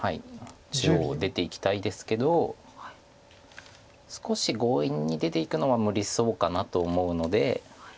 中央出ていきたいですけど少し強引に出ていくのは無理そうかなと思うので。